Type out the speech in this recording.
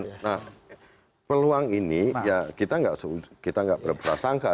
nah peluang ini kita nggak berperasangka